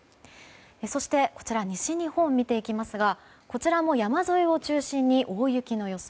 そして、西日本を見ていきますがこちらも山沿いを中心に大雪の予想。